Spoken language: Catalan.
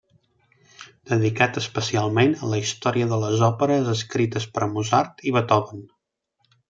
Dedicat especialment a la història de les òperes escrites per Mozart, i Beethoven.